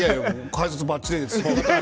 解説ばっちりですよ。